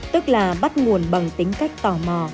tức là bắt nguồn bằng tính cách tò mò